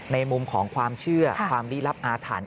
ในมุมของความเชื่อความลี้ลับอาถรรพ